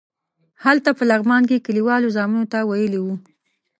هلته په لغمان کې کلیوالو زامنو ته ویلي وو.